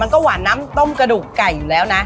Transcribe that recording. ก็หวานน้ำต้มกระดูกไก่อยู่แล้วนะ